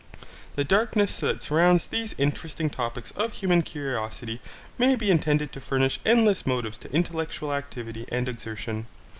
The darkness that surrounds these interesting topics of human curiosity may be intended to furnish endless motives to intellectual activity and exertion.